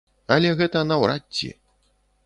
Але гэта наўрад ці!